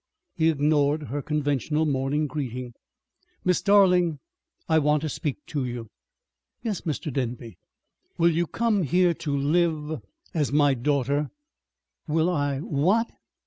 He ignored her conventional morning greeting. "Miss Darling, I want to speak to you." "Yes, Mr. Denby." "Will you come here to live as my daughter?" "Will I what?"